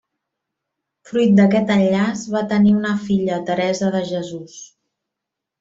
Fruit d'aquest enllaç, va tenir una filla Teresa de Jesús.